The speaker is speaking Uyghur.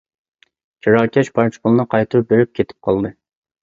كىراكەش پارچە پۇلنى قايتۇرۇپ بېرىپ كېتىپ قالدى.